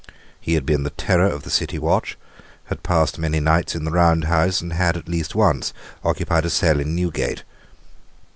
He had been the terror of the City watch, had passed many nights in the round house, and had at least once occupied a cell in Newgate.